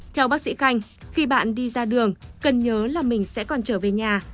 theo bác sĩ khanh khi bạn đi ra đường cần nhớ là mình sẽ còn trở về nhà